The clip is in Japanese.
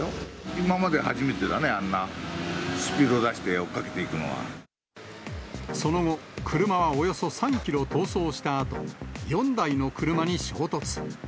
今まで初めてだね、あんなスピーその後、車はおよそ３キロ逃走したあと、４台の車に衝突。